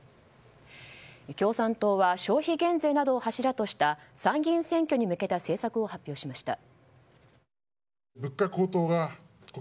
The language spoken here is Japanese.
共産党は消費減税などを柱とした参議院選挙に向けた政策を発表しました。